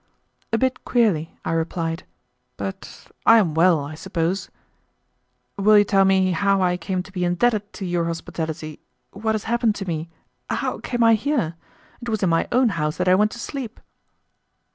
"A bit queerly," I replied, "but I am well, I suppose. Will you tell me how I came to be indebted to your hospitality? What has happened to me? How came I here? It was in my own house that I went to sleep."